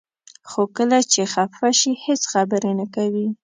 خو کله چې خفه شي هیڅ خبرې نه کوي.